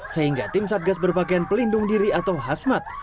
sehingga tim satgas berpakaian pelindung diri atau hasmat